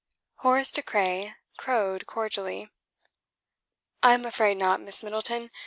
Horace De Craye crowed cordially. "I'm afraid not, Miss Middleton.